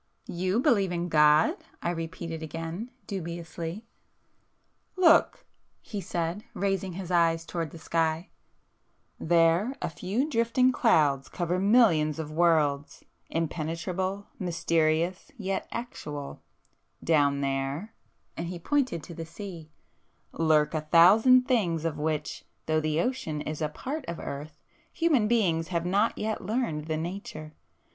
"You believe in God!" I repeated again dubiously. "Look!" he said, raising his hand towards the sky—"There a few drifting clouds cover millions of worlds, impenetrable, mysterious, yet actual;—down there—" and he pointed to the sea, "lurk a thousand things of which, though the ocean is a part of earth, human beings have not yet learned the nature.